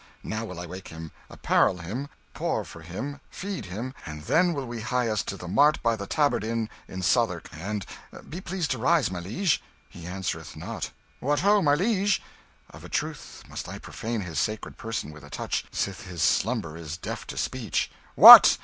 Now will I wake him, apparel him, pour for him, feed him, and then will we hie us to the mart by the Tabard Inn in Southwark and be pleased to rise, my liege! he answereth not what ho, my liege! of a truth must I profane his sacred person with a touch, sith his slumber is deaf to speech. What!"